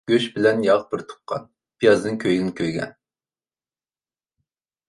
گۆش بىلەن ياغ بىر تۇغقان، پىيازنىڭ كۆيگىنى كۆيگەن.